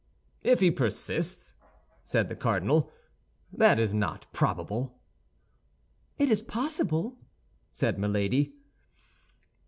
"If he persists?" said the cardinal. "That is not probable." "It is possible," said Milady.